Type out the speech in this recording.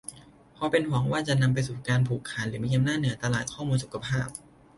เพราะเป็นห่วงว่าจะนำไปสู่การผูกขาดหรือมีอำนาจเหนือตลาดข้อมูลสุขภาพ